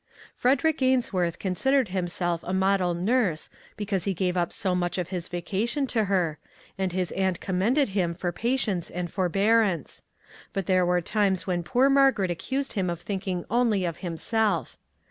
Frederick Ainsworth considered himself a model nurse because he gave up so much o his vacation to her, and his aunt commended him for patience and forbearance; but there were times when poor Margaret accused him of thinking only of himself.